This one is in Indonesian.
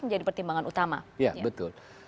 menjadi pertimbangan utama ya betul